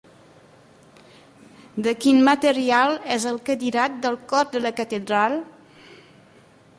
De quin material és el cadirat del cor de la catedral?